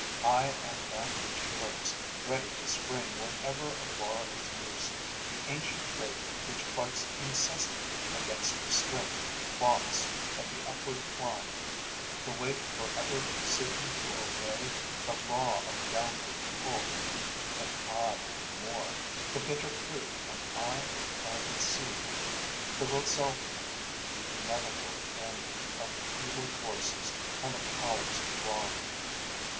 I am that which lurks, Ready to spring whenever a bar is loosed; The ancient trait which fights incessantly Against restraint, balks at the upward climb; The weight forever seeking to obey The law of downward pull; and I am more: The bitter fruit am I of planted seed; The resultant, the inevitable end Of evil forces and the powers of wrong.